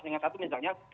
dengan satu misalnya